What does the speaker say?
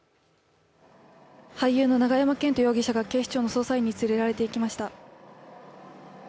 俳優の永山絢斗容疑者が警視庁の捜査員に連れられていきました。